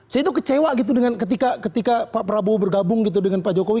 saya itu kecewa gitu dengan ketika pak prabowo bergabung gitu dengan pak jokowi